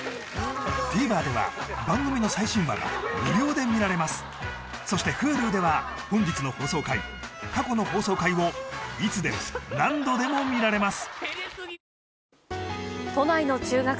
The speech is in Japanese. ＴＶｅｒでは番組の最新話が無料で見られますそしてＨｕｌｕでは本日の放送回過去の放送回をいつでも何度でも見られます